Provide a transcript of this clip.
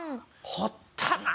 掘ったな！